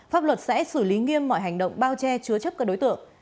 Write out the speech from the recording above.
pháp luật sẽ xử lý nghiêm mọi hành động bao che chứa chấp các đối tượng